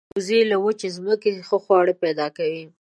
وزې له وچې ځمکې ښه خواړه پیدا کوي